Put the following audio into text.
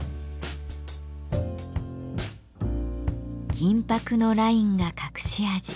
銀ぱくのラインが隠し味。